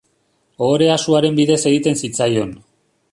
Ohorea suaren bidez egiten zitzaion.